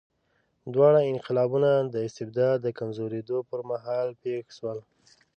دواړه انقلابونه د استبداد د کمزورېدو پر مهال پېښ شول.